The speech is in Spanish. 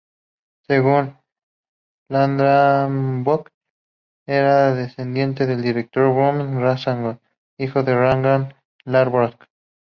Según "Landnámabók" era descendiente directo de Björn Ragnarsson, hijo de Ragnar Lodbrok.